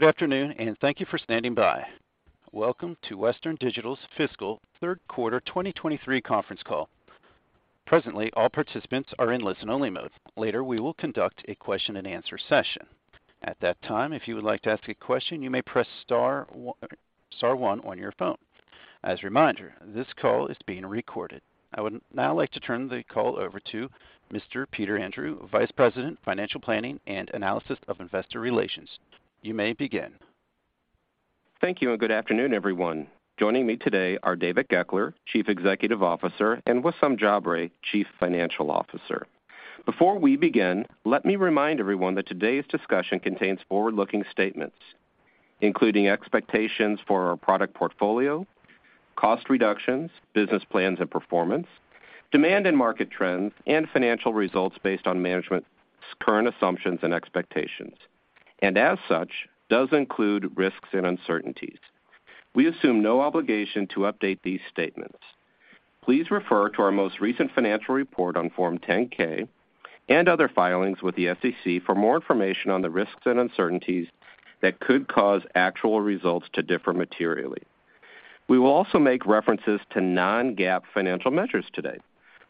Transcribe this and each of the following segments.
Good afternoon. Thank you for standing by. Welcome to Western Digital's Fiscal Third Quarter 2023 Conference Call. Presently, all participants are in listen-only mode. Later, we will conduct a question-and-answer session. At that time, if you would like to ask a question, you may press star one, star one on your phone. As a reminder, this call is being recorded. I would now like to turn the call over to Mr. Peter Andrew, Vice President, Financial Planning and Analysis of Investor Relations. You may begin. Thank you, and good afternoon, everyone. Joining me today are David Goeckeler, Chief Executive Officer, and Wissam Jabre, Chief Financial Officer. Before we begin, let me remind everyone that today's discussion contains forward-looking statements, including expectations for our product portfolio, cost reductions, business plans and performance, demand and market trends, and financial results based on management's current assumptions and expectations, and as such, does include risks and uncertainties. We assume no obligation to update these statements. Please refer to our most recent financial report on Form 10-K and other filings with the SEC for more information on the risks and uncertainties that could cause actual results to differ materially. We will also make references to non-GAAP financial measures today.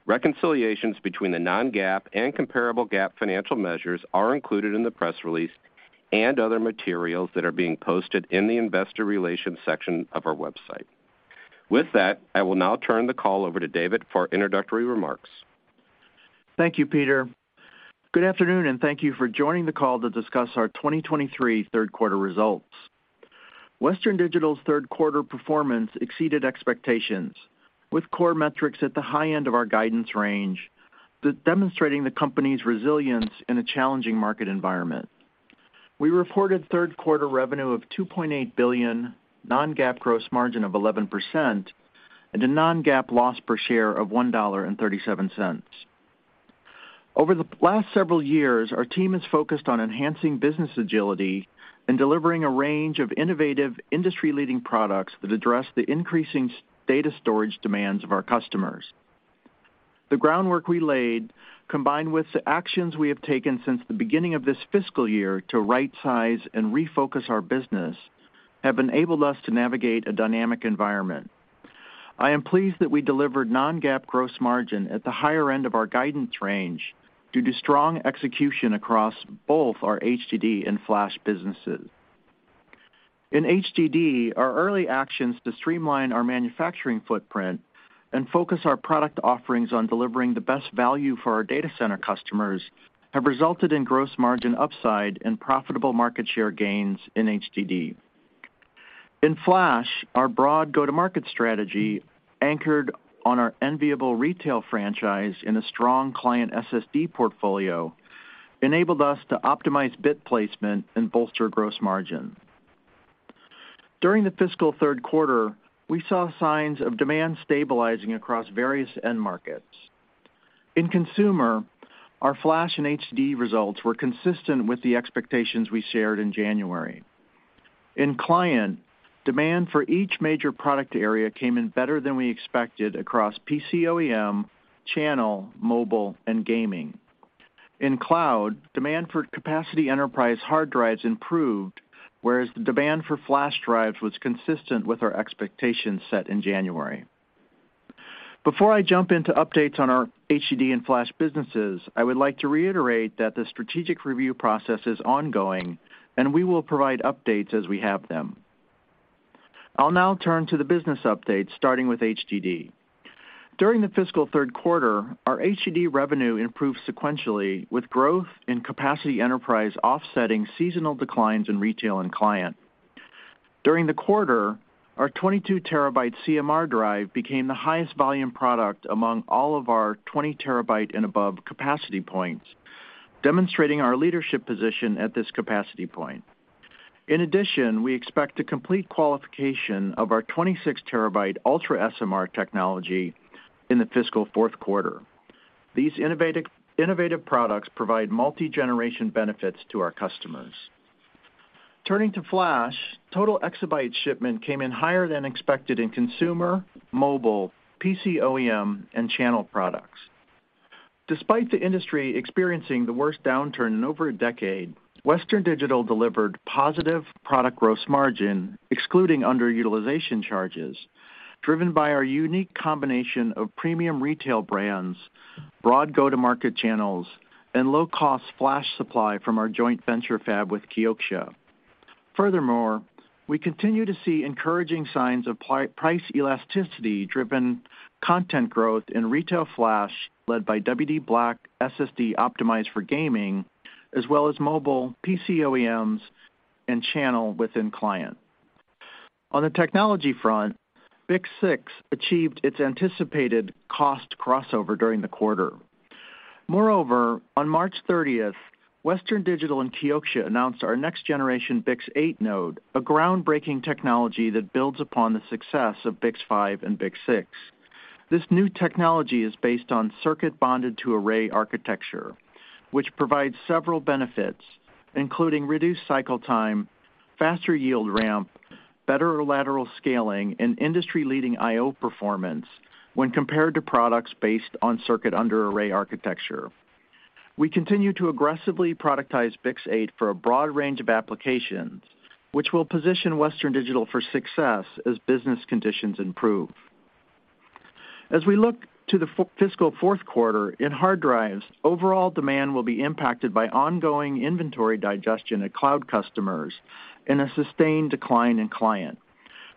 Reconciliations between the non-GAAP and comparable GAAP financial measures are included in the press release and other materials that are being posted in the investor relations section of our website. With that, I will now turn the call over to David for introductory remarks. Thank you, Peter. Good afternoon, and thank you for joining the call to discuss our 2023 third quarter results. Western Digital's third quarter performance exceeded expectations, with core metrics at the high end of our guidance range, demonstrating the company's resilience in a challenging market environment. We reported third quarter revenue of $2.8 billion, non-GAAP gross margin of 11%, and a non-GAAP loss per share of $1.37. Over the last several years, our team has focused on enhancing business agility and delivering a range of innovative industry-leading products that address the increasing data storage demands of our customers. The groundwork we laid, combined with the actions we have taken since the beginning of this fiscal year to rightsize and refocus our business, have enabled us to navigate a dynamic environment. I am pleased that we delivered non-GAAP gross margin at the higher end of our guidance range due to strong execution across both our HDD and flash businesses. In HDD, our early actions to streamline our manufacturing footprint and focus our product offerings on delivering the best value for our data center customers have resulted in gross margin upside and profitable market share gains in HDD. In Flash, our broad go-to-market strategy, anchored on our enviable retail franchise and a strong client SSD portfolio, enabled us to optimize bit placement and bolster gross margin. During the fiscal third quarter, we saw signs of demand stabilizing across various end markets. In consumer, our flash and HD results were consistent with the expectations we shared in January. In client, demand for each major product area came in better than we expected across PC OEM, channel, mobile, and gaming. In cloud, demand for capacity enterprise hard drives improved, whereas the demand for flash drives was consistent with our expectations set in January. Before I jump into updates on our HDD and flash businesses, I would like to reiterate that the strategic review process is ongoing, and we will provide updates as we have them. I'll now turn to the business updates, starting with HDD. During the fiscal third quarter, our HDD revenue improved sequentially with growth in capacity enterprise offsetting seasonal declines in retail and client. During the quarter, our 22 terabyte CMR drive became the highest volume product among all of our 20 terabyte and above capacity points, demonstrating our leadership position at this capacity point. In addition, we expect to complete qualification of our 26 terabyte UltraSMR technology in the fiscal fourth quarter. These innovative products provide multi-generation benefits to our customers. Turning to Flash, total exabyte shipment came in higher than expected in consumer, mobile, PC OEM, and channel products. Despite the industry experiencing the worst downturn in over a decade, Western Digital delivered positive product gross margin, excluding underutilization charges, driven by our unique combination of premium retail brands, broad go-to-market channels, and low-cost flash supply from our joint venture fab with Kioxia. We continue to see encouraging signs of price elasticity-driven content growth in retail flash led by WD_BLACK SSD optimized for gaming, as well as mobile, PC OEMs, and channel within client. On the technology front, BiCS6 achieved its anticipated cost crossover during the quarter. On March 30th, Western Digital and Kioxia announced our next-generation BiCS8 node, a groundbreaking technology that builds upon the success of BiCS5 and BiCS6. This new technology is based on circuit bonded to array architecture, which provides several benefits, including reduced cycle time, faster yield ramp, better lateral scaling, and industry-leading IO performance when compared to products based on Circuit Under Array architecture. We continue to aggressively productize BiCS8 for a broad range of applications, which will position Western Digital for success as business conditions improve. As we look to the fiscal fourth quarter, in hard drives, overall demand will be impacted by ongoing inventory digestion at cloud customers and a sustained decline in client.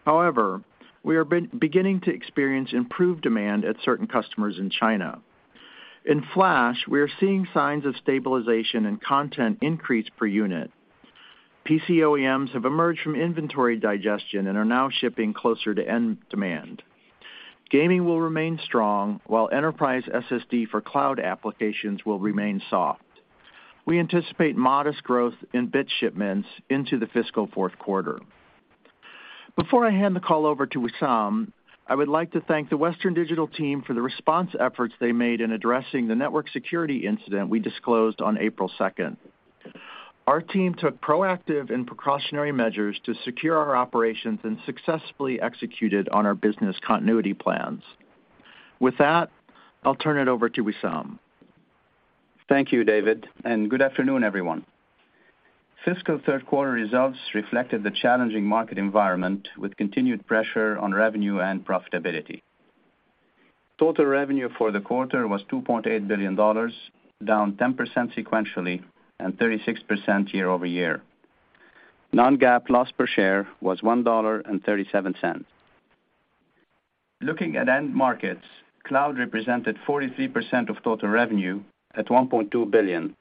However, we are beginning to experience improved demand at certain customers in China. In flash, we are seeing signs of stabilization and content increase per unit. PC OEMs have emerged from inventory digestion and are now shipping closer to end demand. Gaming will remain strong while enterprise SSD for cloud applications will remain soft. We anticipate modest growth in bit shipments into the fiscal fourth quarter. Before I hand the call over to Wissam, I would like to thank the Western Digital team for the response efforts they made in addressing the network security incident we disclosed on April second. Our team took proactive and precautionary measures to secure our operations and successfully executed on our business continuity plans. With that, I'll turn it over to Wissam. Thank you, David. Good afternoon, everyone. Fiscal third quarter results reflected the challenging market environment with continued pressure on revenue and profitability. Total revenue for the quarter was $2.8 billion, down 10% sequentially and 36% year-over-year. non-GAAP loss per share was $1.37. Looking at end markets, cloud represented 43% of total revenue at $1.2 billion,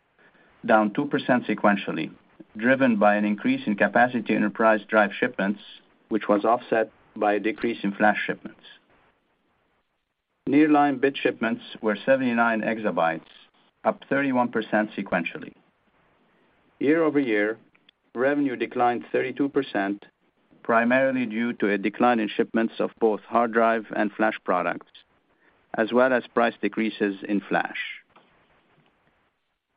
down 2% sequentially, driven by an increase in capacity enterprise drive shipments, which was offset by a decrease in flash shipments. nearline bit shipments were 79 exabytes, up 31% sequentially. Year-over-year, revenue declined 32%, primarily due to a decline in shipments of both hard drive and flash products, as well as price decreases in flash.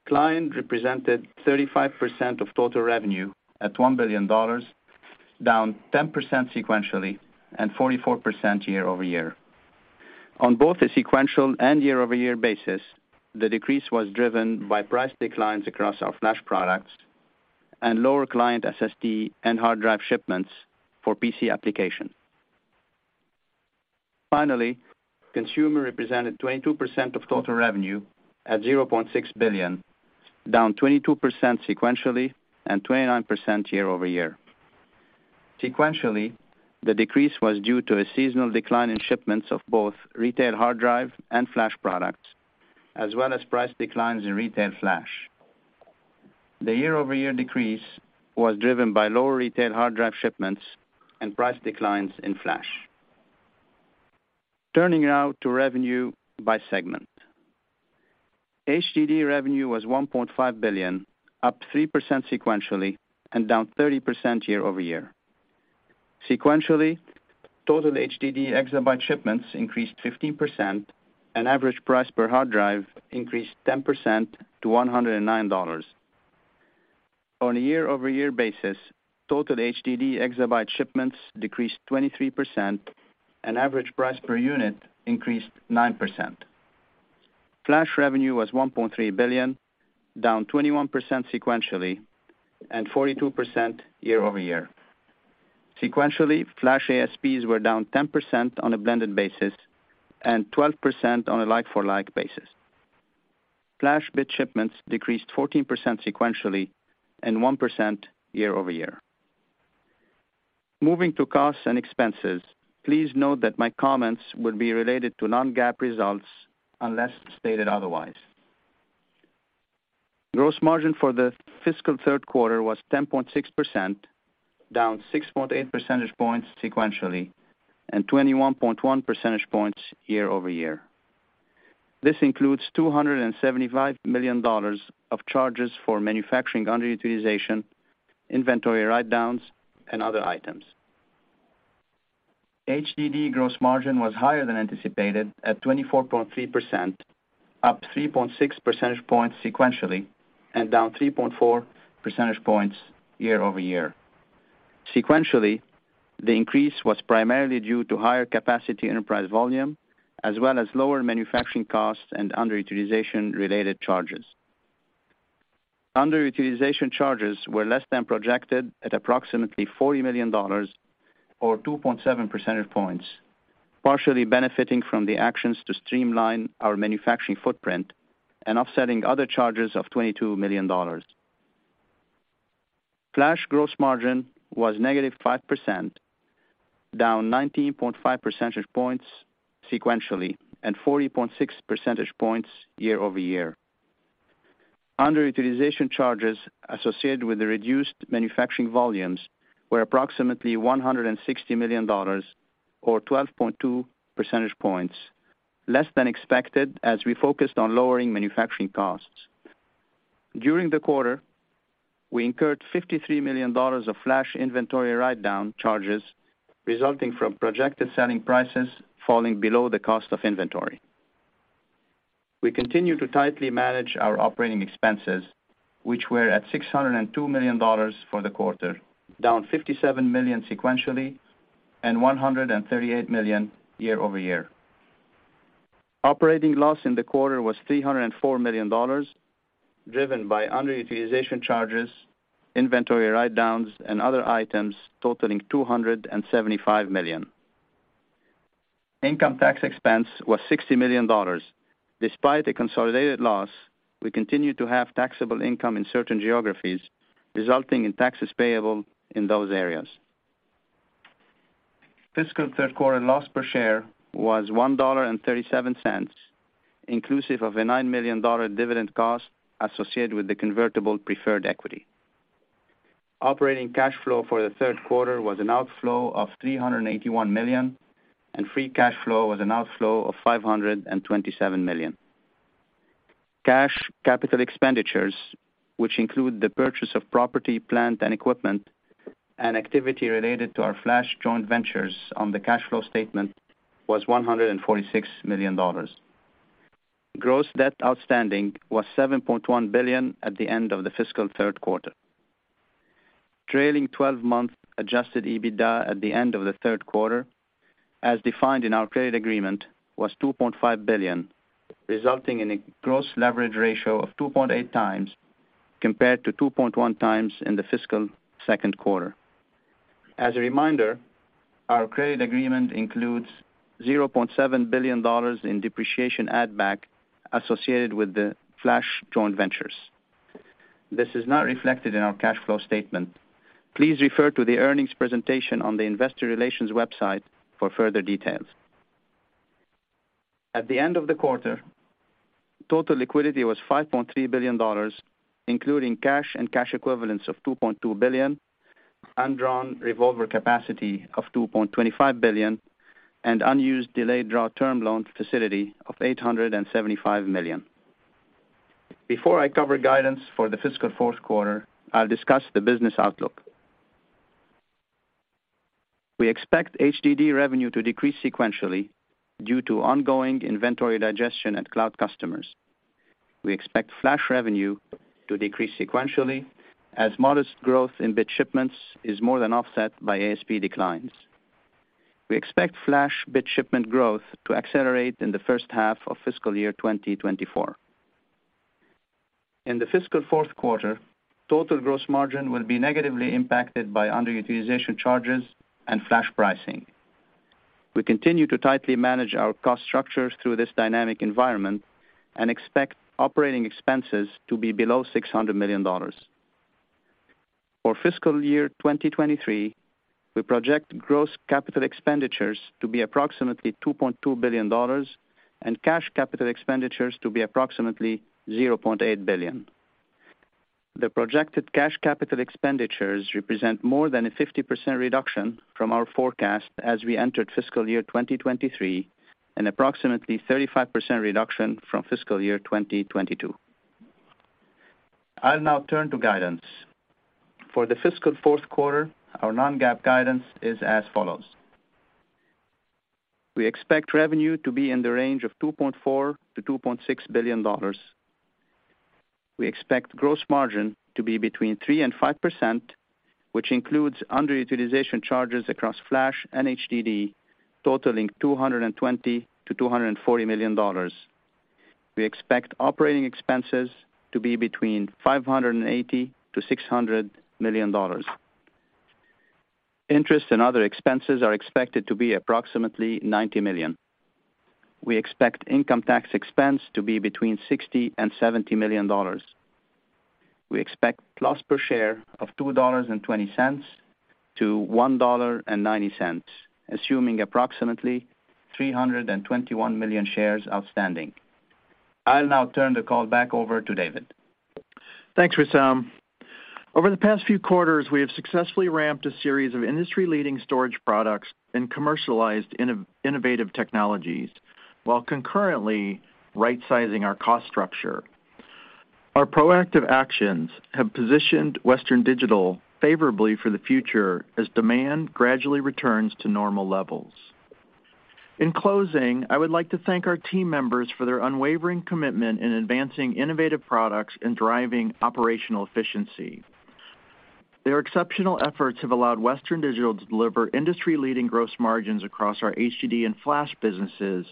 Client represented 35% of total revenue at $1 billion, down 10% sequentially and 44% year-over-year. On both a sequential and year-over-year basis, the decrease was driven by price declines across our flash products and lower client SSD and hard drive shipments for PC application. Consumer represented 22% of total revenue at $0.6 billion, down 22% sequentially and 29% year-over-year. The decrease was due to a seasonal decline in shipments of both retail hard drive and flash products, as well as price declines in retail flash. The year-over-year decrease was driven by lower retail hard drive shipments and price declines in flash. Turning now to revenue by segment. HDD revenue was $1.5 billion, up 3% sequentially and down 30% year-over-year. Sequentially, total HDD exabyte shipments increased 15%, and average price per hard drive increased 10% to $109. On a year-over-year basis, total HDD exabyte shipments decreased 23%, and average price per unit increased 9%. Flash revenue was $1.3 billion, down 21% sequentially and 42% year-over-year. Sequentially, flash ASPs were down 10% on a blended basis and 12% on a like for like basis. Flash bit shipments decreased 14% sequentially and 1% year-over-year. Moving to costs and expenses. Please note that my comments will be related to non-GAAP results unless stated otherwise. Gross margin for the fiscal third quarter was 10.6%, down 6.8 percentage points sequentially and 21.1 percentage points year-over-year. This includes $275 million of charges for manufacturing underutilization, inventory write-downs, and other items. HDD gross margin was higher than anticipated at 24.3%, up 3.6 percentage points sequentially and down 3.4 percentage points year-over-year. Sequentially, the increase was primarily due to higher capacity enterprise volume as well as lower manufacturing costs and underutilization related charges. Underutilization charges were less than projected at approximately $40 million or 2.7 percentage points, partially benefiting from the actions to streamline our manufacturing footprint and offsetting other charges of $22 million. Flash gross margin was -5%, down 19.5 percentage points sequentially and 40.6 percentage points year-over-year. Underutilization charges associated with the reduced manufacturing volumes were approximately $160 million or 12.2 percentage points, less than expected as we focused on lowering manufacturing costs. During the quarter, we incurred $53 million of flash inventory write-down charges resulting from projected selling prices falling below the cost of inventory. We continue to tightly manage our operating expenses, which were at $602 million for the quarter, down $57 million sequentially and $138 million year-over-year. Operating loss in the quarter was $304 million, driven by underutilization charges, inventory write-downs, and other items totaling $275 million. Income tax expense was $60 million. Despite a consolidated loss, we continue to have taxable income in certain geographies, resulting in taxes payable in those areas. Fiscal third quarter loss per share was $1.37, inclusive of a $9 million dividend cost associated with the convertible preferred equity. Operating cash flow for the third quarter was an outflow of $381 million, and free cash flow was an outflow of $527 million. Cash capital expenditures, which include the purchase of property, plant, and equipment, and activity related to our flash joint ventures on the cash flow statement was $146 million. Gross debt outstanding was $7.1 billion at the end of the fiscal third quarter. Trailing twelve-month adjusted EBITDA at the end of the third quarter, as defined in our credit agreement, was $2.5 billion, resulting in a gross leverage ratio of 2.8 times compared to 2.1 times in the fiscal second quarter. As a reminder, our credit agreement includes $0.7 billion in depreciation add back associated with the flash joint ventures. This is not reflected in our cash flow statement. Please refer to the earnings presentation on the investor relations website for further details. At the end of the quarter, total liquidity was $5.3 billion, including cash and cash equivalents of $2.2 billion, undrawn revolver capacity of $2.25 billion, and unused delayed draw term loan facility of $875 million. Before I cover guidance for the fiscal fourth quarter, I'll discuss the business outlook. We expect HDD revenue to decrease sequentially due to ongoing inventory digestion at cloud customers. We expect flash revenue to decrease sequentially as modest growth in bit shipments is more than offset by ASP declines. We expect flash bit shipment growth to accelerate in the first half of fiscal year 2024. In the fiscal fourth quarter, total gross margin will be negatively impacted by underutilization charges and flash pricing. We continue to tightly manage our cost structures through this dynamic environment and expect operating expenses to be below $600 million. For fiscal year 2023, we project gross capital expenditures to be approximately $2.2 billion and cash capital expenditures to be approximately $0.8 billion. The projected cash capital expenditures represent more than a 50% reduction from our forecast as we entered fiscal year 2023 and approximately 35% reduction from fiscal year 2022. I'll now turn to guidance. For the fiscal fourth quarter, our non-GAAP guidance is as follows. We expect revenue to be in the range of $2.4 billion-$2.6 billion. We expect gross margin to be between 3% and 5%, which includes underutilization charges across flash and HDD totaling $220 million-$240 million. We expect operating expenses to be between $580 million-$600 million. Interest and other expenses are expected to be approximately $90 million. We expect income tax expense to be between $60 million and $70 million. We expect loss per share of $2.20 to $1.90, assuming approximately 321 million shares outstanding. I'll now turn the call back over to David. Thanks, Wissam. Over the past few quarters, we have successfully ramped a series of industry-leading storage products and commercialized innovative technologies while concurrently right-sizing our cost structure. Our proactive actions have positioned Western Digital favorably for the future as demand gradually returns to normal levels. In closing, I would like to thank our team members for their unwavering commitment in advancing innovative products and driving operational efficiency. Their exceptional efforts have allowed Western Digital to deliver industry-leading gross margins across our HDD and flash businesses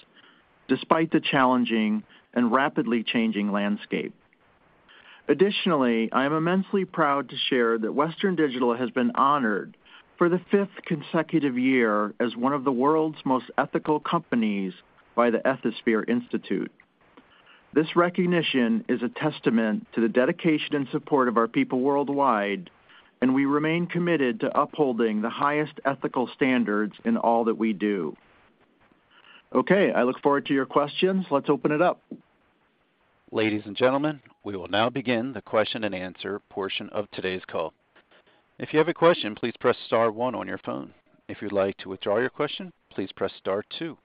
despite the challenging and rapidly changing landscape. I am immensely proud to share that Western Digital has been honored for the fifth consecutive year as one of the world's most ethical companies by the Ethisphere Institute. This recognition is a testament to the dedication and support of our people worldwide. We remain committed to upholding the highest ethical standards in all that we do. Okay. I look forward to your questions. Let's open it up. Ladies and gentlemen, we will now begin the question-and-answer portion of today's call. If you have a question, please press star one on your phone. If you'd like to withdraw your question, please press star two.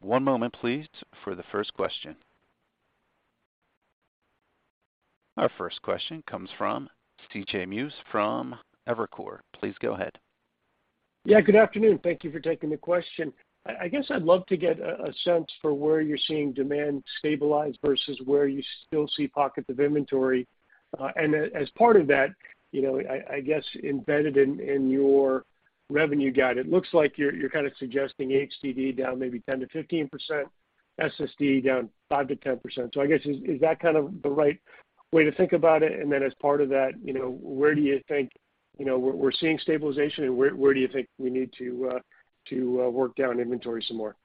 One moment, please, for the first question. Our first question comes from C.J. Muse from Evercore. Please go ahead. Yeah, good afternoon. Thank you for taking the question. I guess I'd love to get a sense for where you're seeing demand stabilize versus where you still see pockets of inventory. As part of that, you know, I guess embedded in your revenue guide, it looks like you're kind of suggesting HDD down maybe 10%-15%, SSD down 5%-10%. I guess, is that kind of the right way to think about it? Then as part of that, you know, where do you think, you know, we're seeing stabilization and where do you think we need to work down inventory some more?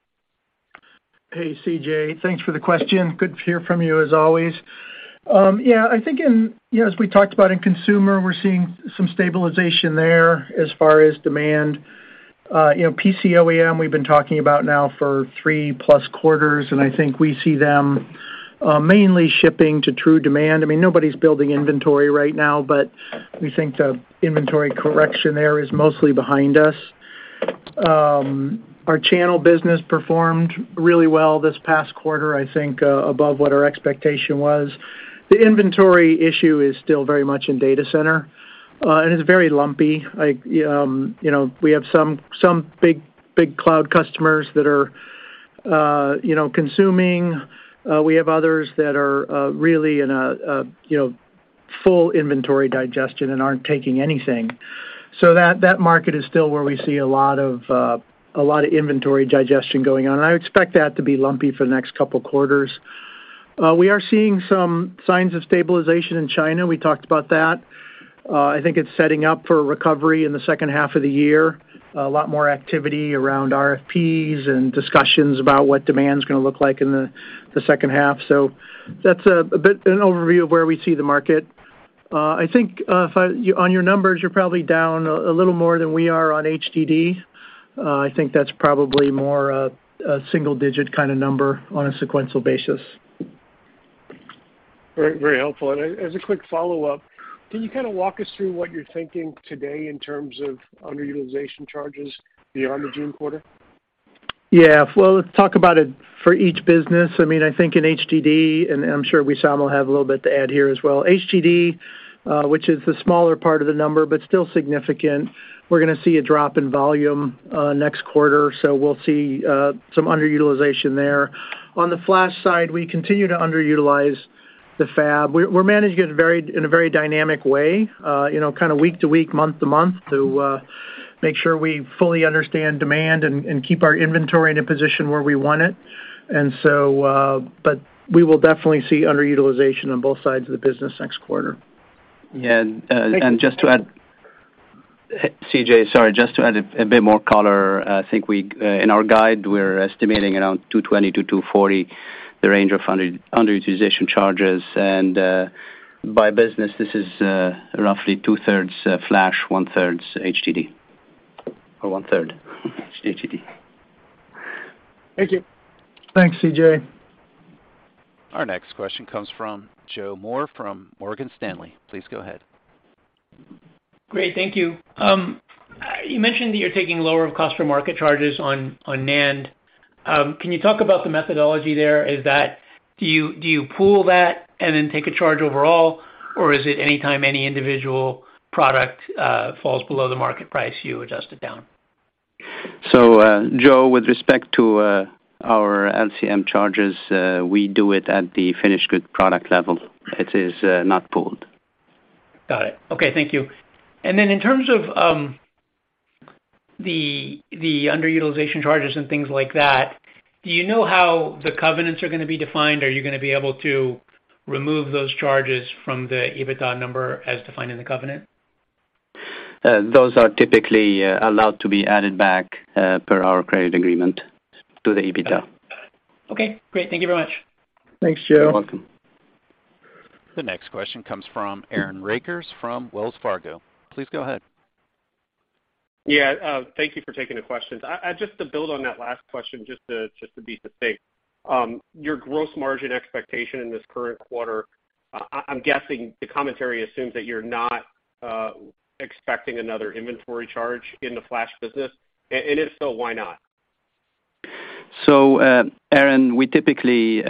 Hey, C.J., thanks for the question. Good to hear from you as always. Yeah, I think in, you know, as we talked about in consumer, we're seeing some stabilization there as far as demand. You know, PC OEM, we've been talking about now for 3-plus quarters, and I think we see them mainly shipping to true demand. I mean, nobody's building inventory right now, but we think the inventory correction there is mostly behind us. Our channel business performed really well this past quarter, I think, above what our expectation was. The inventory issue is still very much in data center, and it's very lumpy. Like, you know, we have some big cloud customers that are, you know, consuming. We have others that are really in a, you know, full inventory digestion and aren't taking anything. That, that market is still where we see a lot of, a lot of inventory digestion going on, and I expect that to be lumpy for the next couple quarters. We are seeing some signs of stabilization in China. We talked about that. I think it's setting up for a recovery in the second half of the year. A lot more activity around RFPs and discussions about what demand's gonna look like in the second half. That's an overview of where we see the market. I think, if on your numbers, you're probably down a little more than we are on HDD. I think that's probably more a single digit kind of number on a sequential basis. Very, very helpful. As a quick follow-up, can you kind of walk us through what you're thinking today in terms of underutilization charges beyond the June quarter? Yeah. Well, let's talk about it for each business. I mean, I think in HDD, and I'm sure Wissam will have a little bit to add here as well. HDD, which is the smaller part of the number but still significant, we're gonna see a drop in volume next quarter. We'll see, some underutilization there. On the flash side, we continue to underutilize the fab. We're managing it in a very dynamic way, you know, kind of week to week, month to month, to make sure we fully understand demand and keep our inventory in a position where we want it. We will definitely see underutilization on both sides of the business next quarter. Yeah. Just to add, CJ, sorry, just to add a bit more color. I think in our guide, we're estimating around $220-$240 the range of underutilization charges. By business, this is roughly 2/3 flash, 1/3 HDD. Thank you. Thanks, C.J. Our next question comes from Joe Moore from Morgan Stanley. Please go ahead. Great. Thank you. You mentioned that you're taking lower cost for market charges on NAND. Can you talk about the methodology there? Is that, do you pool that and then take a charge overall? Or is it any time any individual product, falls below the market price, you adjust it down? Joe, with respect to, our LCM charges, we do it at the finished good product level. It is, not pooled. Got it. Okay, thank you. In terms of the underutilization charges and things like that, do you know how the covenants are gonna be defined? Are you gonna be able to remove those charges from the EBITDA number as defined in the covenant? Those are typically allowed to be added back per our credit agreement to the EBITDA. Okay, great. Thank you very much. Thanks, Joe. You're welcome. The next question comes from Aaron Rakers from Wells Fargo. Please go ahead. Thank you for taking the questions. Just to build on that last question, just to be safe, your gross margin expectation in this current quarter, I'm guessing the commentary assumes that you're not expecting another inventory charge in the flash business. If so, why not? Aaron, we typically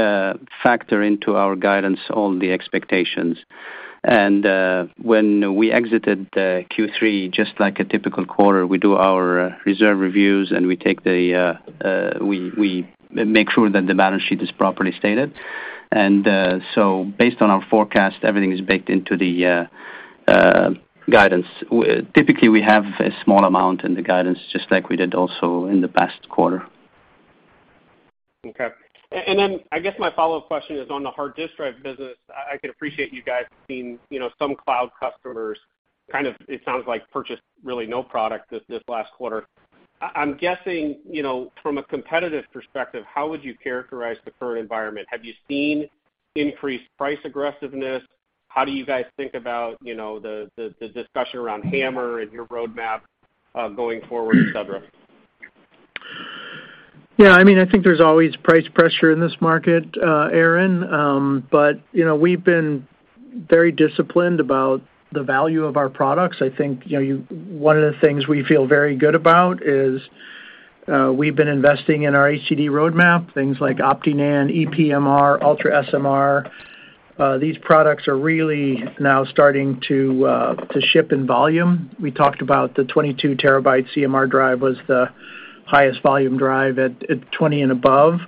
factor into our guidance all the expectations. When we exited Q3, just like a typical quarter, we do our reserve reviews, and we take the we make sure that the balance sheet is properly stated. Based on our forecast, everything is baked into the guidance. Typically, we have a small amount in the guidance, just like we did also in the past quarter. Okay. I guess my follow-up question is on the hard disk drive business. I can appreciate you guys seeing, you know, some cloud customers kind of, it sounds like, purchase really no product this last quarter. I'm guessing, you know, from a competitive perspective, how would you characterize the current environment? Have you seen increased price aggressiveness? How do you guys think about, you know, the, the discussion around HAMR and your roadmap going forward, et cetera? I mean, I think there's always price pressure in this market, Aaron. You know, we've been very disciplined about the value of our products. I think, you know, one of the things we feel very good about is, we've been investing in our HDD roadmap, things like OptiNAND, ePMR, UltraSMR. These products are really now starting to ship in volume. We talked about the 22 terabyte CMR drive was the highest volume drive at 20 and above.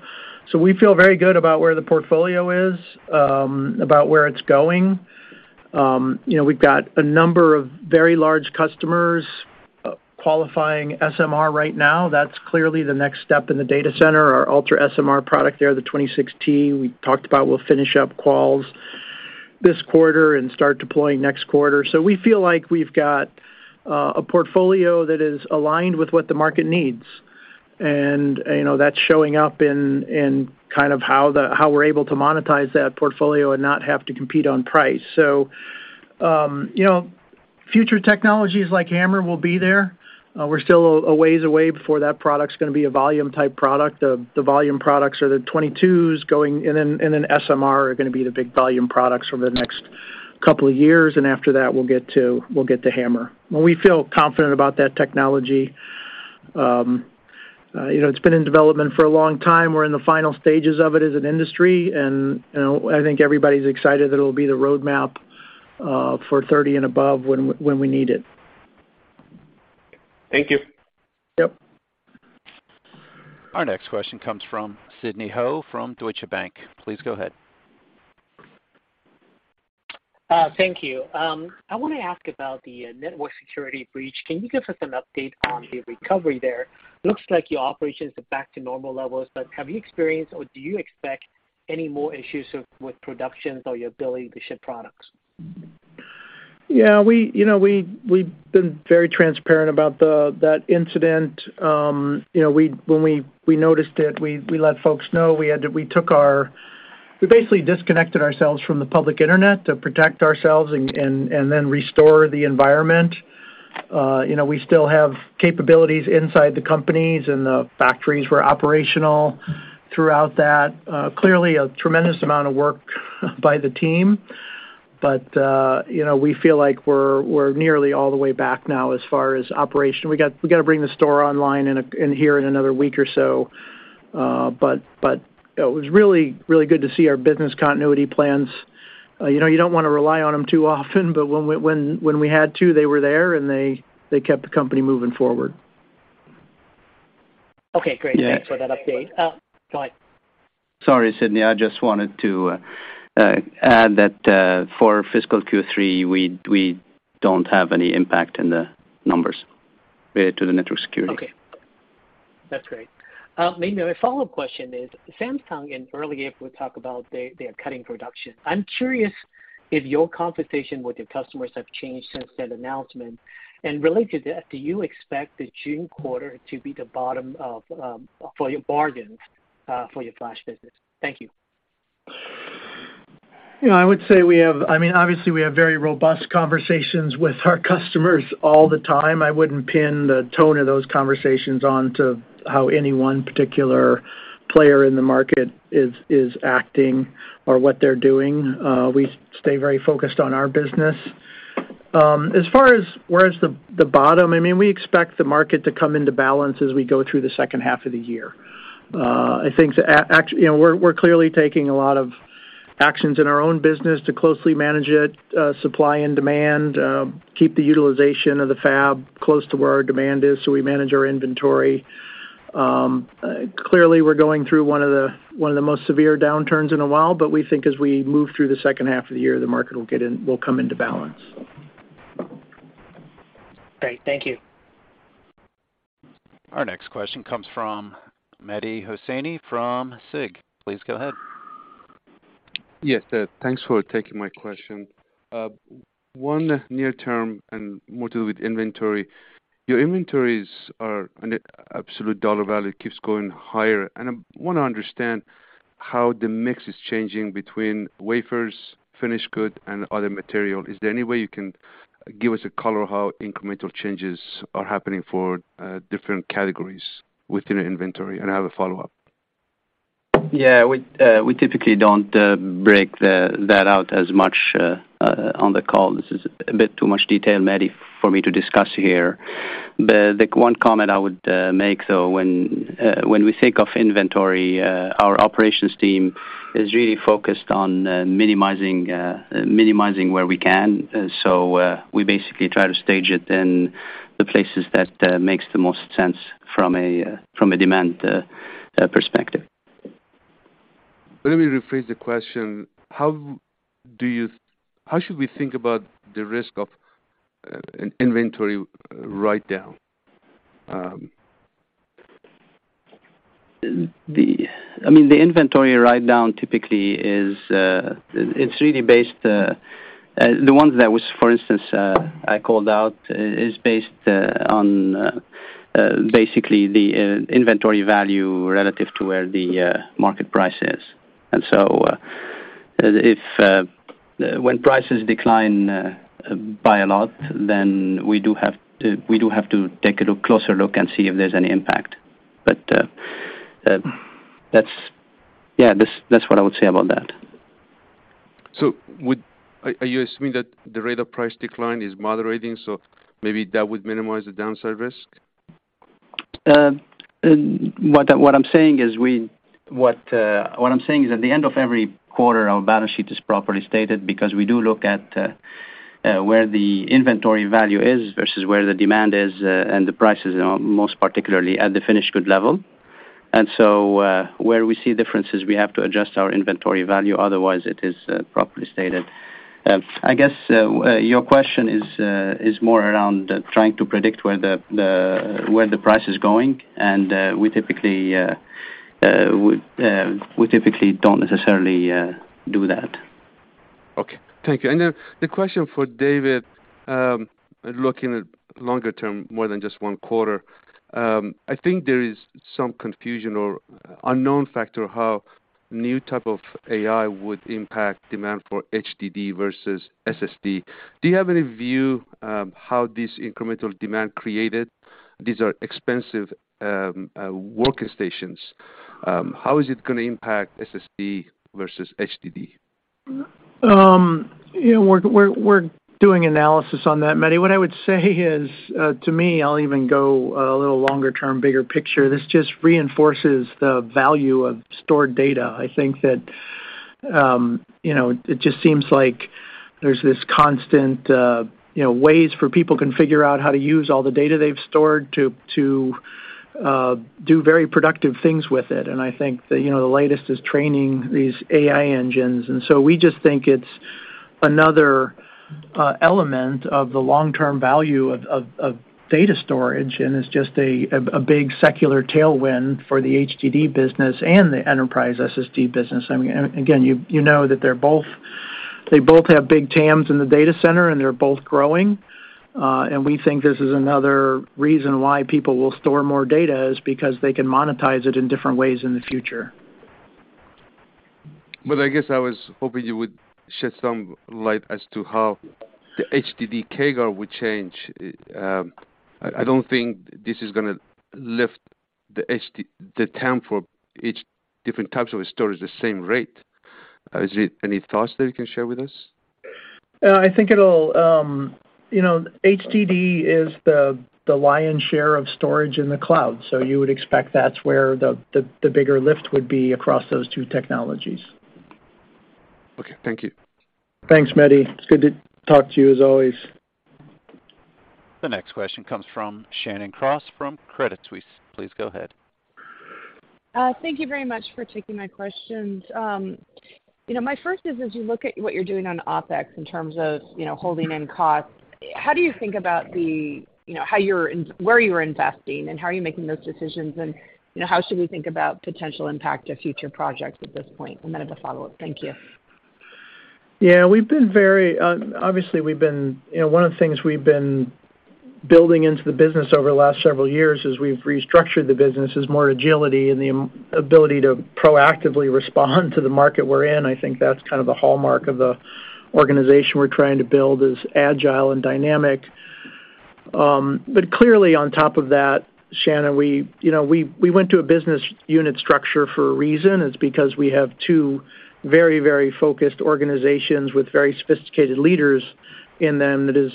We feel very good about where the portfolio is, about where it's going. You know, we've got a number of very large customers qualifying SMR right now. That's clearly the next step in the data center. Our UltraSMR product there, the 26 we talked about, we'll finish up quals this quarter and start deploying next quarter. We feel like we've got a portfolio that is aligned with what the market needs. You know, that's showing up in kind of how we're able to monetize that portfolio and not have to compete on price. You know, future technologies like HAMR will be there. We're still a ways away before that product's gonna be a volume type product. The volume products are the 22s going, and then SMR are gonna be the big volume products for the next couple of years. After that, we'll get to HAMR. Well, we feel confident about that technology. You know, it's been in development for a long time. We're in the final stages of it as an industry, and, you know, I think everybody's excited that it'll be the roadmap, for 30 and above when we need it. Thank you. Yep. Our next question comes from Sidney Ho from Deutsche Bank. Please go ahead. Thank you. I wanna ask about the network security breach. Can you give us an update on the recovery there? Looks like your operations are back to normal levels, but have you experienced, or do you expect any more issues of, with productions or your ability to ship products? Yeah. We, you know, we've been very transparent about that incident. You know, when we noticed it, we let folks know. We took our, we basically disconnected ourselves from the public internet to protect ourselves and then restore the environment. You know, we still have capabilities inside the companies, and the factories were operational throughout that. Clearly a tremendous amount of work by the team. You know, we feel like we're nearly all the way back now as far as operation. We gotta bring the store online in here in another week or so. It was really, really good to see our business continuity plans. You know, you don't wanna rely on them too often, but when we had to, they were there, and they kept the company moving forward. Okay, great. Yeah. Thanks for that update. Go ahead. Sorry, Sidney. I just wanted to add that for fiscal Q3, we don't have any impact in the numbers related to the network security. Okay. That's great. Maybe my follow-up question is, Samsung in early April talked about they are cutting production. I'm curious if your conversation with your customers have changed since that announcement. Related to that, do you expect the June quarter to be the bottom of for your bargains, for your flash business? Thank you. You know, I would say we have, I mean, obviously, we have very robust conversations with our customers all the time. I wouldn't pin the tone of those conversations onto how any one particular player in the market is acting or what they're doing. We stay very focused on our business. As far as where's the bottom, I mean, we expect the market to come into balance as we go through the second half of the year. I think, you know, we're clearly taking a lot of actions in our own business to closely manage it, supply and demand, keep the utilization of the fab close to where our demand is so we manage our inventory. Clearly, we're going through one of the most severe downturns in a while, but we think as we move through the second half of the year, the market will come into balance. Great. Thank you. Our next question comes from Mehdi Hosseini from SIG. Please go ahead. Yes. Thanks for taking my question. One near term and more to do with inventory. Your inventories are an absolute dollar value, keeps going higher, and I wanna understand how the mix is changing between wafers, finished good, and other material. Is there any way you can give us a color how incremental changes are happening for different categories within an inventory? I have a follow-up. Yeah. We typically don't break that out as much on the call. This is a bit too much detail, Mehdi, for me to discuss here. The one comment I would make though, when we think of inventory, our operations team is really focused on minimizing where we can. We basically try to stage it in the places that makes the most sense from a demand perspective. Let me rephrase the question. How should we think about the risk of an inventory write down? The, I mean, the inventory write down typically is, it's really based, the ones that was, for instance, I called out is based, on, basically the inventory value relative to where the market price is. If, when prices decline, by a lot, then we do have to take a look, closer look and see if there's any impact. That's, yeah, that's what I would say about that. Are you assuming that the rate of price decline is moderating, so maybe that would minimize the downside risk? What I'm saying is, at the end of every quarter, our balance sheet is properly stated because we do look at where the inventory value is versus where the demand is, and the prices are most particularly at the finished good level. Where we see differences, we have to adjust our inventory value, otherwise it is properly stated. I guess, your question is more around trying to predict where the price is going, and we typically don't necessarily do that. Okay. Thank you. The question for David, looking at longer term more than just one quarter, I think there is some confusion or unknown factor how new type of AI would impact demand for HDD versus SSD. Do you have any view, how this incremental demand created? These are expensive, workstations. How is it going to impact SSD versus HDD? Yeah, we're doing analysis on that, Mehdi. What I would say is, to me, I'll even go a little longer term, bigger picture. This just reinforces the value of stored data. I think that, you know, it just seems like there's this constant, you know, ways for people can figure out how to use all the data they've stored to do very productive things with it. I think the, you know, the latest is training these AI engines. We just think it's another element of the long-term value of data storage, and it's just a big secular tailwind for the HDD business and the enterprise SSD business. I mean, again, you know that they both have big TAMs in the data center, and they're both growing. We think this is another reason why people will store more data is because they can monetize it in different ways in the future. I guess I was hoping you would shed some light as to how the HDD CAGR would change. I don't think this is going to lift the TAM for each different types of storage the same rate. Is it any thoughts that you can share with us? I think it'll, you know, HDD is the lion's share of storage in the cloud. You would expect that's where the, the bigger lift would be across those two technologies. Okay. Thank you. Thanks, Mehdi. It's good to talk to you as always. The next question comes from Shannon Cross from Credit Suisse. Please go ahead. Thank you very much for taking my questions. You know, my first is, as you look at what you're doing on OpEx in terms of, you know, holding in costs, how do you think about the, you know, where you're investing and how are you making those decisions? How should we think about potential impact of future projects at this point? Then I have a follow-up. Thank you. Yeah, we've been very, obviously, we've been, you know, one of the things we've been building into the business over the last several years is we've restructured the business as more agility and the ability to proactively respond to the market we're in. I think that's kind of the hallmark of the organization we're trying to build is agile and dynamic. Clearly on top of that, Shannon, we, you know, we went to a business unit structure for a reason. It's because we have two very, very focused organizations with very sophisticated leaders in them that is,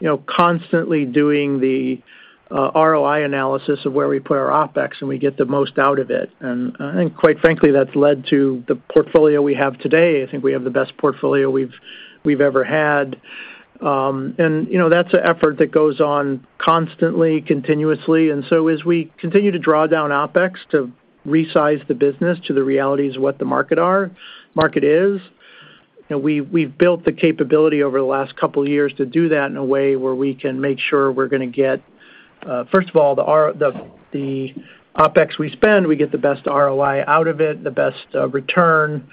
you know, constantly doing the ROI analysis of where we put our OpEx, and we get the most out of it. Quite frankly, that's led to the portfolio we have today. I think we have the best portfolio we've ever had. you know, that's an effort that goes on constantly, continuously. As we continue to draw down OpEx to resize the business to the realities of what the market is, we've built the capability over the last couple of years to do that in a way where we can make sure we're going to get, first of all, the OpEx we spend, we get the best ROI out of it, the best return,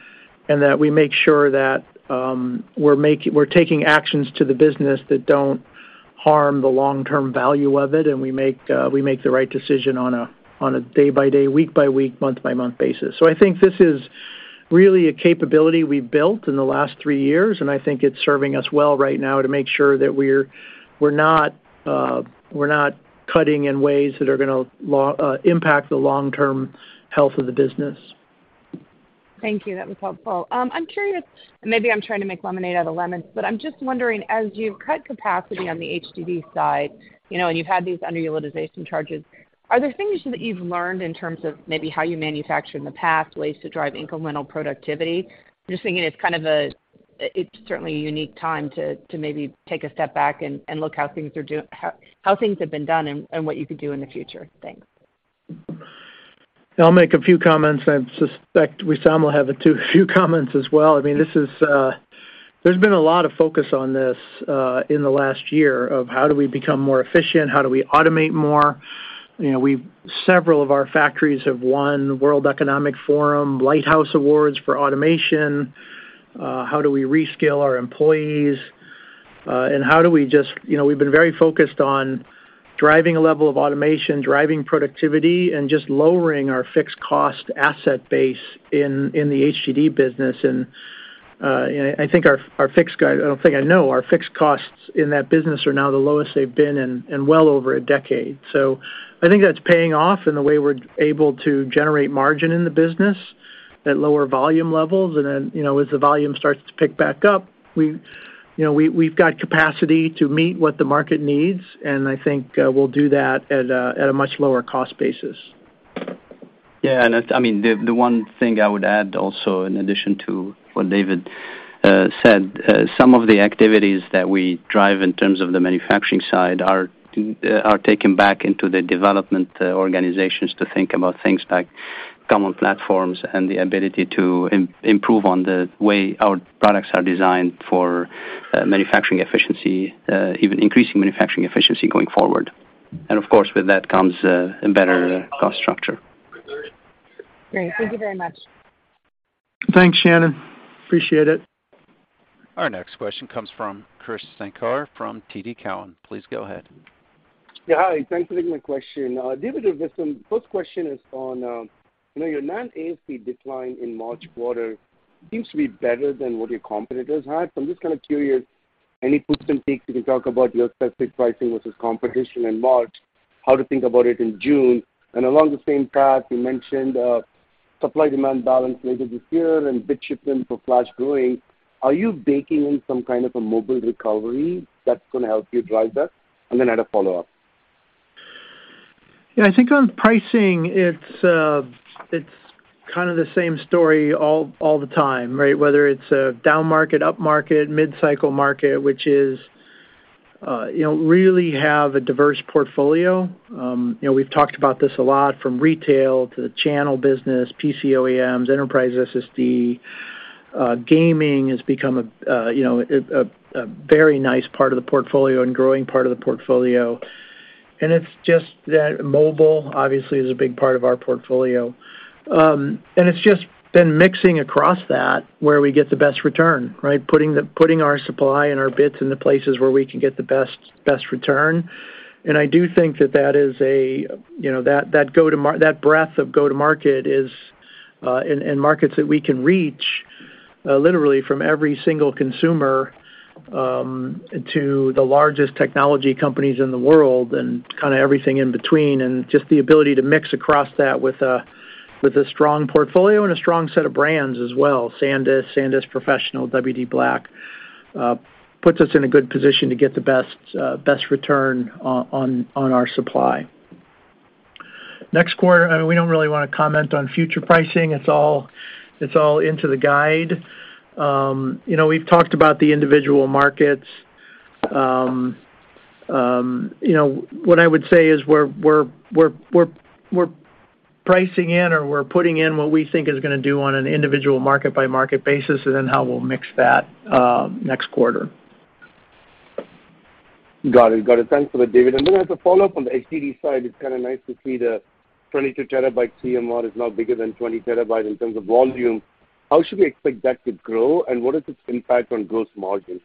and that we make sure that we're taking actions to the business that don't harm the long-term value of it, and we make the right decision on a day by day, week by week, month by month basis. I think this is really a capability we've built in the last three years, and I think it's serving us well right now to make sure that we're not, we're not cutting in ways that are going to impact the long-term health of the business. Thank you. That was helpful. I'm curious, and maybe I'm trying to make lemonade out of lemons, but I'm just wondering, as you've cut capacity on the HDD side, you know, and you've had these underutilization charges, are there things that you've learned in terms of maybe how you manufacture in the past, ways to drive incremental productivity? I'm just thinking it's certainly a unique time to maybe take a step back and look how things have been done and what you could do in the future. Thanks. I'll make a few comments. I suspect Wissam will have a few comments as well. I mean, this is, there's been a lot of focus on this, in the last year of how do we become more efficient? How do we automate more? You know, several of our factories have won World Economic Forum Lighthouse Awards for automation. How do we reskill our employees? How do we just. You know, we've been very focused on driving a level of automation, driving productivity, and just lowering our fixed cost asset base in the HDD business. You know, I think our fixed guide, I don't think I know, our fixed costs in that business are now the lowest they've been in well over a decade. I think that's paying off in the way we're able to generate margin in the business at lower volume levels. You know, as the volume starts to pick back up, you know, we've got capacity to meet what the market needs, and I think, we'll do that at a much lower cost basis. I mean, the one thing I would add also in addition to what David said, some of the activities that we drive in terms of the manufacturing side are taken back into the development organizations to think about things like common platforms and the ability to improve on the way our products are designed for manufacturing efficiency, even increasing manufacturing efficiency going forward. Of course, with that comes a better cost structure. Great. Thank you very much. Thanks, Shannon. Appreciate it. Our next question comes from Krish Sankar from TD Cowen. Please go ahead. Yeah. Hi. Thanks for taking my question. David, first question is on, you know, your NAND ASP decline in March quarter seems to be better than what your competitors had. I'm just kind of curious, any puts and takes you can talk about your specific pricing versus competition in March, how to think about it in June? Along the same path, you mentioned supply-demand balance later this year and bit shipments for flash growing. Are you baking in some kind of a mobile recovery that's gonna help you drive that? Then I had a follow-up. Yeah. I think on pricing, it's kind of the same story all the time, right? Whether it's a down market, up market, mid-cycle market, which is, you know, really have a diverse portfolio. You know, we've talked about this a lot from retail to the channel business, PC OEMs, enterprise SSD. Gaming has become a, you know, a very nice part of the portfolio and growing part of the portfolio. It's just that mobile obviously is a big part of our portfolio. It's just been mixing across that where we get the best return, right? Putting our supply and our bits in the places where we can get the best return. I do think that that is a, you know, that breadth of go-to-market is in markets that we can reach, literally from every single consumer, to the largest technology companies in the world and kinda everything in between, and just the ability to mix across that with a strong portfolio and a strong set of brands as well, SanDisk Professional, WD_BLACK, puts us in a good position to get the best return on our supply. Next quarter, we don't really wanna comment on future pricing. It's all, it's all into the guide. You know, we've talked about the individual markets. you know, what I would say is we're pricing in or we're putting in what we think is gonna do on an individual market by market basis and then how we'll mix that next quarter. Got it. Thanks for that, David. I have a follow-up on the HDD side. It's kinda nice to see the 22 terabyte CMR is now bigger than 20 terabyte in terms of volume. How should we expect that to grow, and what is its impact on gross margin?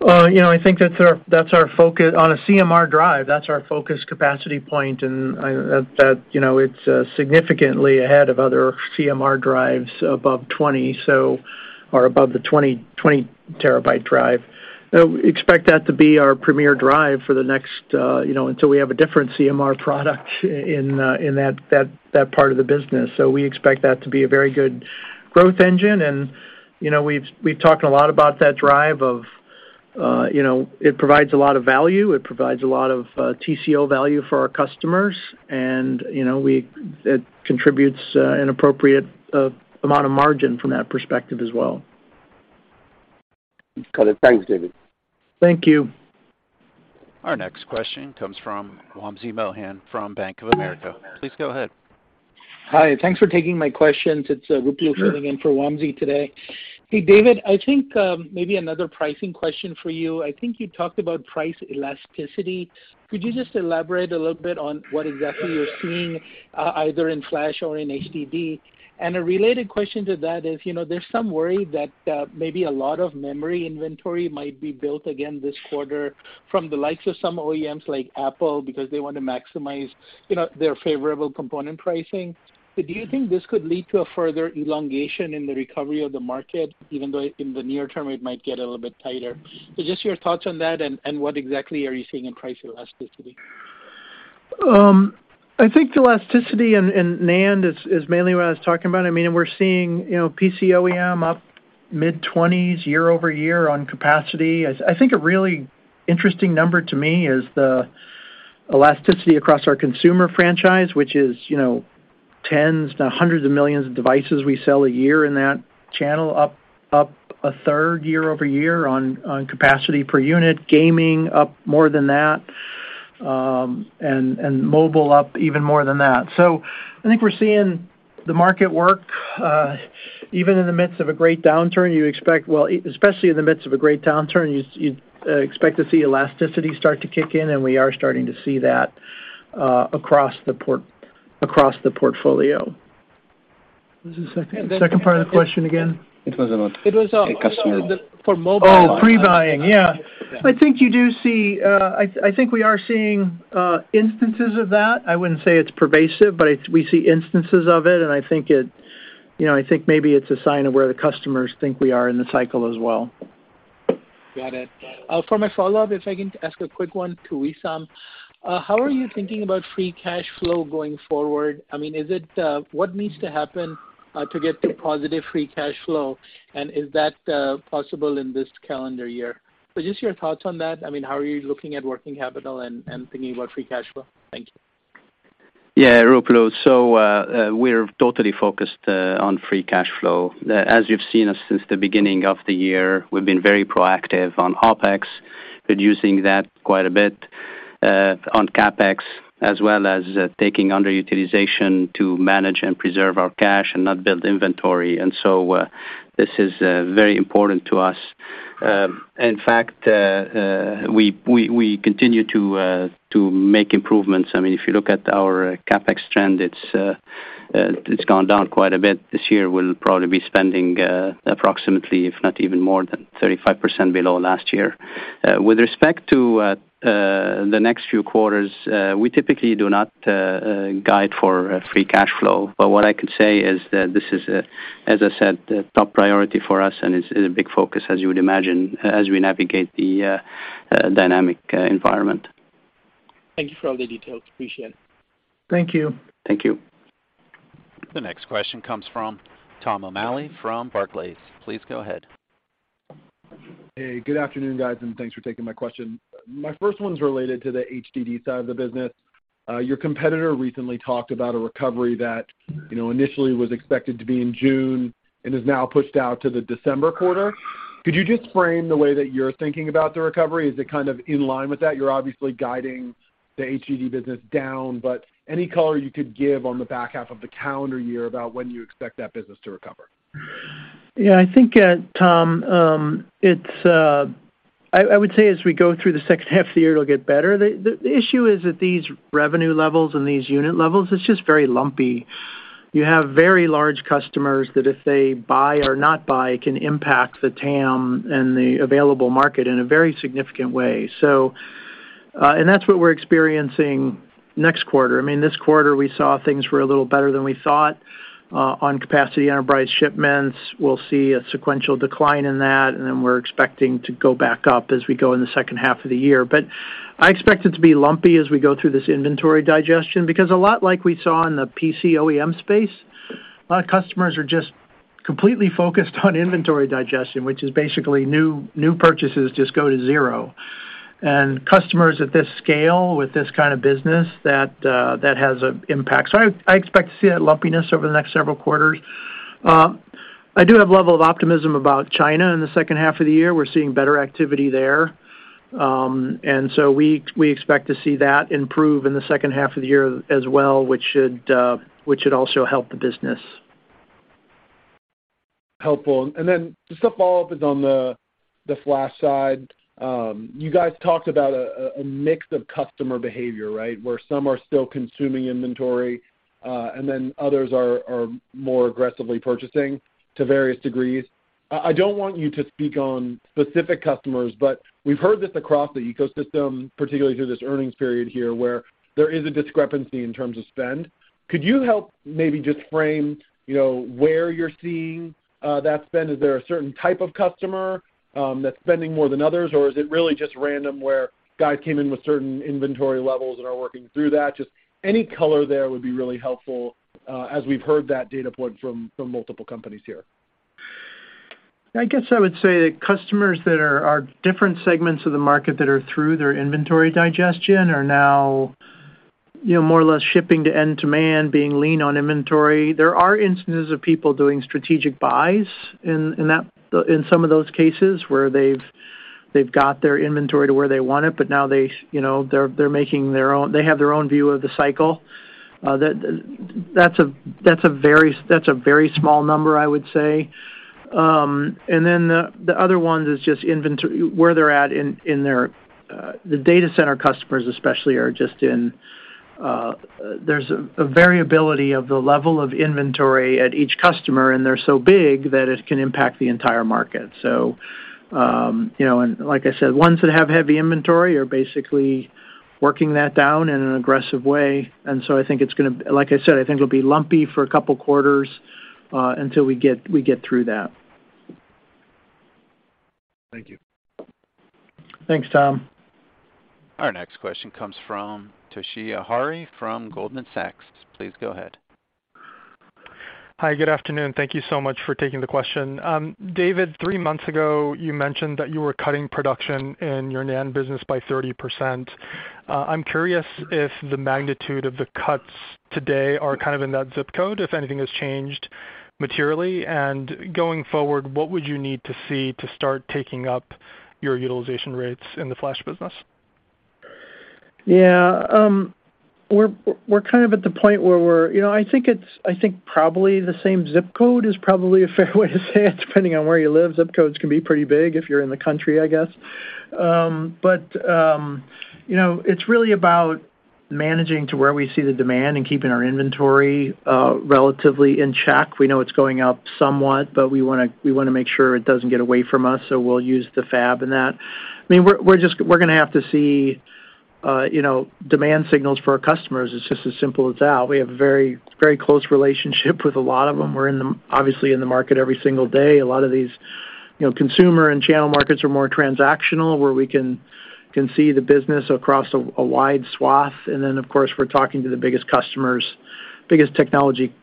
you know, I think that's our, that's our focus. On a CMR drive, that's our focus capacity point, and I, that, you know, it's significantly ahead of other CMR drives above 20, or above the 20 terabyte drive. expect that to be our premier drive for the next, you know, until we have a different CMR product in that, that part of the business. We expect that to be a very good growth engine. you know, we've talked a lot about that drive of, you know, it provides a lot of value, it provides a lot of TCO value for our customers, and, you know, it contributes an appropriate amount of margin from that perspective as well. Got it. Thanks, David. Thank you. Our next question comes from Wamsi Mohan from Bank of America. Please go ahead. Hi. Thanks for taking my questions. It's. Sure... Ruplu filling in for Wamsi today. Hey, David, I think maybe another pricing question for you. I think you talked about price elasticity. Could you just elaborate a little bit on what exactly you're seeing either in flash or in HDD? A related question to that is, you know, there's some worry that maybe a lot of memory inventory might be built again this quarter from the likes of some OEMs like Apple because they want to maximize, you know, their favorable component pricing. Do you think this could lead to a further elongation in the recovery of the market, even though in the near term it might get a little bit tighter? Just your thoughts on that, and what exactly are you seeing in price elasticity? I think the elasticity in NAND is mainly what I was talking about. I mean, and we're seeing, you know, PC OEM up mid-20s year-over-year on capacity. I think a really interesting number to me is the elasticity across our consumer franchise, which is, you know, tens to hundreds of millions of devices we sell a year in that channel, up a third year-over-year on capacity per unit, gaming up more than that, and mobile up even more than that. I think we're seeing the market work. Even in the midst of a great downturn, you expect, well, especially in the midst of a great downturn, you'd expect to see elasticity start to kick in, and we are starting to see that across the portfolio. What was the second part of the question again? It was. It was. a customer. For mobile- Oh, pre-buying. Yeah. I think you do see, I think we are seeing instances of that. I wouldn't say it's pervasive, but we see instances of it, you know, I think maybe it's a sign of where the customers think we are in the cycle as well. Got it. For my follow-up, if I can ask a quick one to Wissam. How are you thinking about free cash flow going forward? I mean, is it, what needs to happen, to get the positive free cash flow? Is that, possible in this calendar year? Just your thoughts on that. I mean, how are you looking at working capital and thinking about free cash flow? Thank you. Yeah, Ruplu. We're totally focused on free cash flow. As you've seen us since the beginning of the year, we've been very proactive on OpEx, reducing that quite a bit, on CapEx, as well as taking underutilization to manage and preserve our cash and not build inventory. This is very important to us. In fact, we continue to make improvements. I mean, if you look at our CapEx trend, it's gone down quite a bit. This year we'll probably be spending approximately, if not even more than 35% below last year. With respect to the next few quarters, we typically do not guide for free cash flow. What I can say is that this is, as I said, a top priority for us, and it's a big focus, as you would imagine, as we navigate the dynamic environment. Thank you for all the details. Appreciate it. Thank you. Thank you. The next question comes from Tom O'Malley from Barclays. Please go ahead. Hey, good afternoon, guys, and thanks for taking my question. My first one's related to the HDD side of the business. Your competitor recently talked about a recovery that, you know, initially was expected to be in June and is now pushed out to the December quarter. Could you just frame the way that you're thinking about the recovery? Is it kind of in line with that? You're obviously guiding the HDD business down, but any color you could give on the back half of the calendar year about when you expect that business to recover? I think, Tom, I would say as we go through the second half of the year, it'll get better. The issue is at these revenue levels and these unit levels, it's just very lumpy. You have very large customers that if they buy or not buy can impact the TAM and the available market in a very significant way. And that's what we're experiencing next quarter. I mean, this quarter we saw things were a little better than we thought, on capacity enterprise shipments. We'll see a sequential decline in that, and then we're expecting to go back up as we go in the second half of the year. I expect it to be lumpy as we go through this inventory digestion, because a lot like we saw in the PC OEM space, a lot of customers are just completely focused on inventory digestion, which is basically new purchases just go to 0. Customers at this scale with this kind of business, that has an impact. I expect to see that lumpiness over the next several quarters. I do have a level of optimism about China in the second half of the year. We're seeing better activity there. We expect to see that improve in the second half of the year as well, which should also help the business. Helpful. Just a follow-up is on the flash side. You guys talked about a mix of customer behavior, right? Where some are still consuming inventory, and then others are more aggressively purchasing to various degrees. I don't want you to speak on specific customers, but we've heard this across the ecosystem, particularly through this earnings period here, where there is a discrepancy in terms of spend. Could you help maybe just frame, you know, where you're seeing that spend? Is there a certain type of customer that's spending more than others, or is it really just random where guys came in with certain inventory levels and are working through that? Just any color there would be really helpful as we've heard that data point from multiple companies here. I guess I would say that customers that are different segments of the market that are through their inventory digestion are now, you know, more or less shipping to end-to-man being lean on inventory. There are instances of people doing strategic buys in that, in some of those cases where they've got their inventory to where they want it, but now they, you know, they're making their own, they have their own view of the cycle. That's a very small number, I would say. And then the other ones is just where they're at in their, the data center customers especially are just in, there's a variability of the level of inventory at each customer, and they're so big that it can impact the entire market. you know, and like I said, ones that have heavy inventory are basically working that down in an aggressive way. I think Like I said, I think it'll be lumpy for a couple quarters, until we get, we get through that. Thank you. Thanks, Tom. Our next question comes from Toshiya Hari from Goldman Sachs. Please go ahead. Hi, good afternoon. Thank you so much for taking the question. David, three months ago, you mentioned that you were cutting production in your NAND business by 30%. I'm curious if the magnitude of the cuts today are kind of in that zip code, if anything has changed materially. Going forward, what would you need to see to start taking up your utilization rates in the flash business? Yeah. You know, I think it's, I think probably the same zip code is probably a fair way to say it, depending on where you live. Zip codes can be pretty big if you're in the country, I guess. You know, it's really about managing to where we see the demand and keeping our inventory relatively in check. We know it's going up somewhat, but we wanna make sure it doesn't get away from us, so we'll use the fab in that. I mean, we're just, we're gonna have to see, you know, demand signals for our customers. It's just as simple as that. We have a very, very close relationship with a lot of them. We're obviously in the market every single day. A lot of these, you know, consumer and channel markets are more transactional, where we can see the business across a wide swath. Of course, we're talking to the biggest technology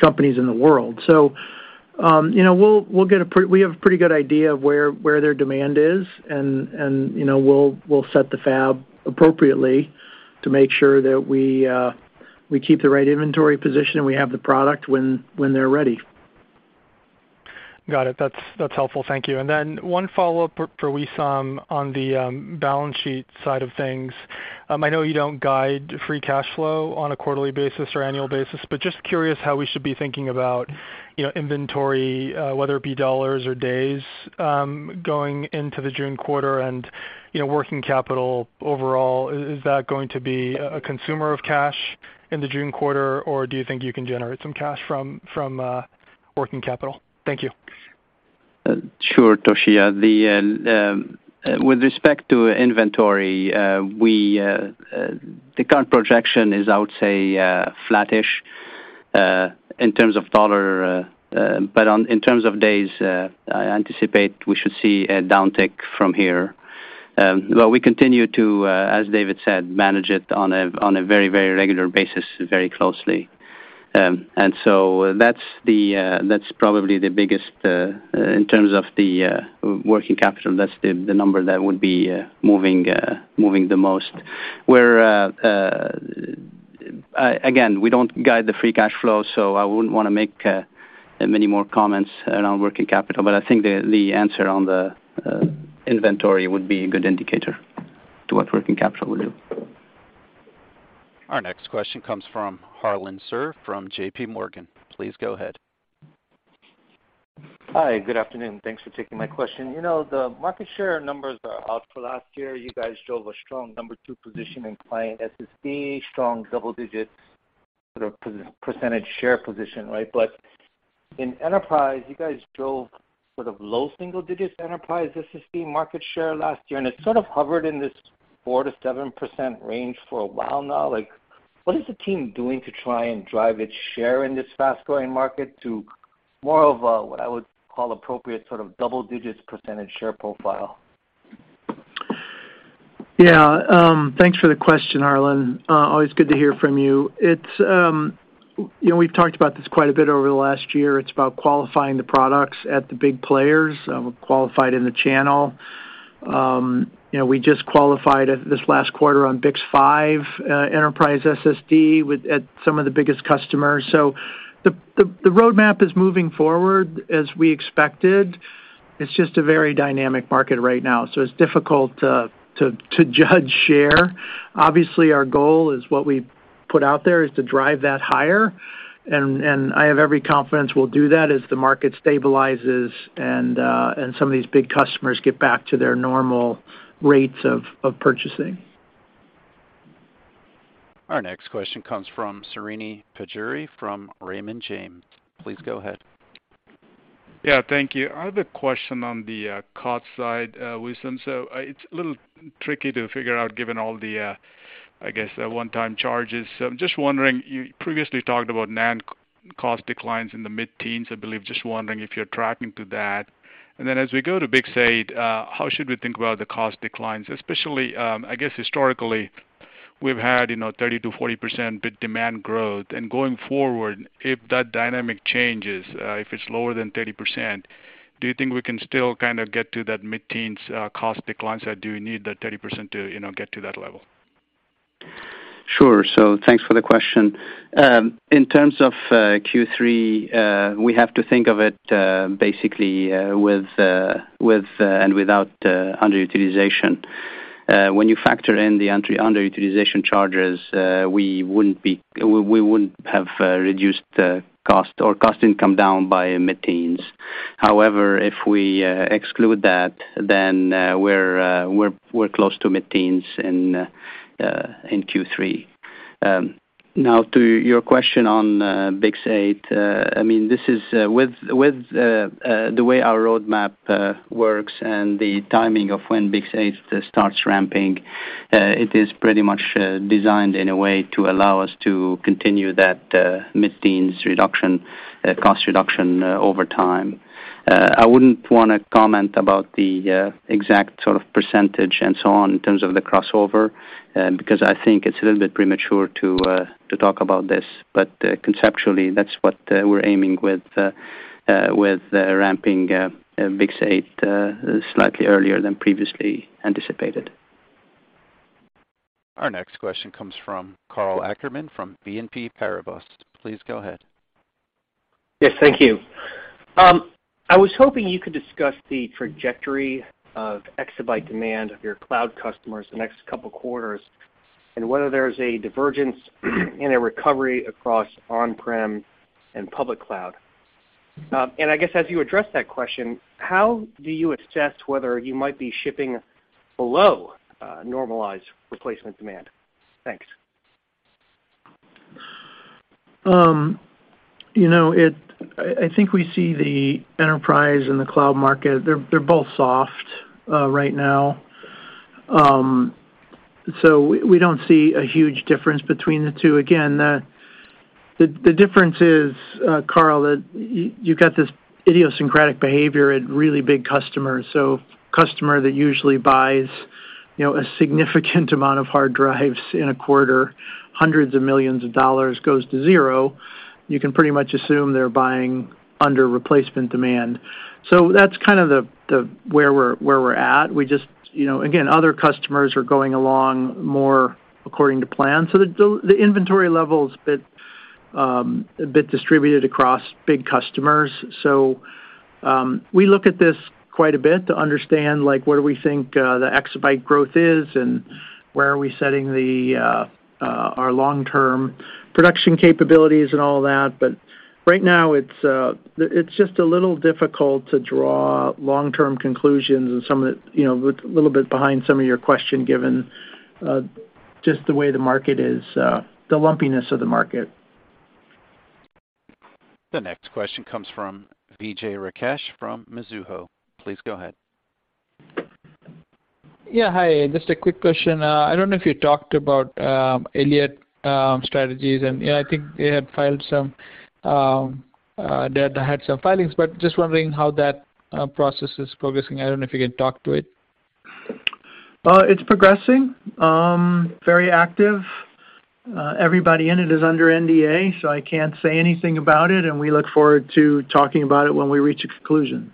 companies in the world. You know, we'll get a pretty good idea of where their demand is, and, you know, we'll set the fab appropriately to make sure that we keep the right inventory position, and we have the product when they're ready. Got it. That's helpful. Thank you. One follow-up for Wissam on the balance sheet side of things. I know you don't guide free cash flow on a quarterly basis or annual basis, but just curious how we should be thinking about, you know, inventory, whether it be dollars or days, going into the June quarter and, you know, working capital overall. Is that going to be a consumer of cash in the June quarter, or do you think you can generate some cash from working capital? Thank you. Sure, Toshiya. The with respect to inventory, we the current projection is, I would say, flattish in terms of dollar, but in terms of days, I anticipate we should see a downtick from here. We continue to, as David said, manage it on a very, very regular basis very closely. That's the that's probably the biggest in terms of the working capital, that's the number that would be moving the most. We're again, we don't guide the free cash flow, so I wouldn't wanna make many more comments around working capital, but I think the answer on the inventory would be a good indicator to what working capital will do. Our next question comes from Harlan Sur from JPMorgan. Please go ahead. Hi, good afternoon. Thanks for taking my question. You know, the market share numbers are out for last year. You guys drove a strong number two position in client SSD, strong double-digits sort of percentage share position, right? In enterprise, you guys drove sort of low single-digits enterprise SSD market share last year, and it sort of hovered in this 4%-7% range for a while now. Like, what is the team doing to try and drive its share in this fast-growing market to more of a, what I would call appropriate sort of double-digits percentage share profile? Yeah, thanks for the question, Harlan. Always good to hear from you. It's, you know, we've talked about this quite a bit over the last year. It's about qualifying the products at the big players. We're qualified in the channel. You know, we just qualified at this last quarter on BiCS5 enterprise SSD with, at some of the biggest customers. The roadmap is moving forward as we expected. It's just a very dynamic market right now, so it's difficult to judge share. Obviously, our goal is what we put out there is to drive that higher. I have every confidence we'll do that as the market stabilizes and some of these big customers get back to their normal rates of purchasing. Our next question comes from Srini Pajjuri from Raymond James. Please go ahead. Yeah, thank you. I have a question on the cost side, Wissam. It's a little tricky to figure out, given all the, I guess, one-time charges. I'm just wondering, you previously talked about NAND cost declines in the mid-teens, I believe. Just wondering if you're tracking to that. As we go to BiCS8, how should we think about the cost declines? Especially, I guess historically, we've had, you know, 30%-40% bit demand growth, going forward, if that dynamic changes, if it's lower than 30%, do you think we can still kind of get to that mid-teens cost declines, or do we need that 30% to, you know, get to that level? Sure. Thanks for the question. In terms of Q3, we have to think of it basically with and without underutilization. When you factor in the entry underutilization charges, we wouldn't have reduced cost or cost income down by mid-teens. However, if we exclude that, then we're close to mid-teens in Q3. Now to your question on BiCS8, I mean, this is with the way our roadmap works and the timing of when BiCS8 starts ramping, it is pretty much designed in a way to allow us to continue that mid-teens reduction, cost reduction over time. I wouldn't wanna comment about the exact sort of % and so on in terms of the crossover, because I think it's a little bit premature to talk about this. Conceptually, that's what we're aiming with with ramping BiCS8 slightly earlier than previously anticipated. Our next question comes from Karl Ackerman from BNP Paribas. Please go ahead. Yes, thank you. I was hoping you could discuss the trajectory of exabyte demand of your cloud customers the next couple quarters and whether there's a divergence in a recovery across on-prem and public cloud. I guess as you address that question, how do you assess whether you might be shipping below normalized replacement demand? Thanks. you know, I think we see the enterprise and the cloud market, they're both soft right now. We don't see a huge difference between the two. Again, the difference is, Karl, that you got this idiosyncratic behavior at really big customers. Customer that usually buys. You know, a significant amount of hard drives in a quarter, hundreds of millions of dollars goes to zero, you can pretty much assume they're buying under replacement demand. That's kind of the where we're at. We just, you know, again, other customers are going along more according to plan. The inventory level is a bit distributed across big customers. We look at this quite a bit to understand, like, where we think the exabyte growth is, and where are we setting our long-term production capabilities and all that. Right now, it's just a little difficult to draw long-term conclusions and some of it, you know, with a little bit behind some of your question given just the way the market is, the lumpiness of the market. The next question comes from Vijay Rakesh from Mizuho. Please go ahead. Yeah, hi. Just a quick question. I don't know if you talked about Elliott strategies, and, you know, I think they had filed some, they had some filings, but just wondering how that process is progressing. I don't know if you can talk to it? It's progressing, very active. Everybody in it is under NDA, so I can't say anything about it, and we look forward to talking about it when we reach a conclusion.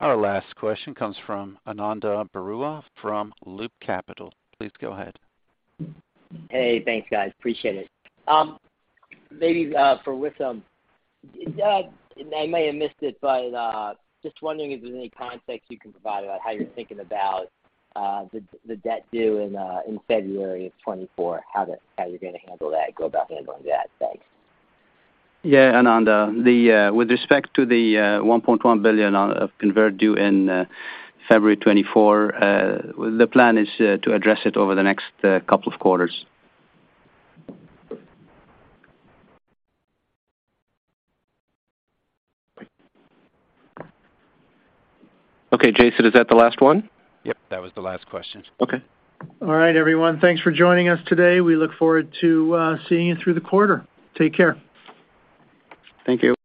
Our last question comes from Ananda Baruah from Loop Capital. Please go ahead. Hey, thanks, guys. Appreciate it. maybe, for Wissam. I may have missed it, but, just wondering if there's any context you can provide about how you're thinking about, the debt due in February of 2024, how you're gonna handle that, go about handling that. Thanks. Ananda. The With respect to the $1.1 billion of convert due in February 2024, the plan is to address it over the next couple of quarters. Okay, Jason, is that the last one? Yep. That was the last question. All right, everyone. Thanks for joining us today. We look forward to seeing you through the quarter. Take care. Thank you.